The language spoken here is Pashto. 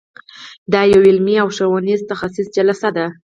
دا یوه علمي او ښوونیزه تخصصي جلسه ده.